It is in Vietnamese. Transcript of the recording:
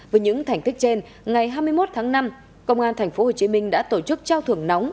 với những thành tích trên ngày hai mươi một tháng năm công an tp hcm đã tổ chức trao thưởng nóng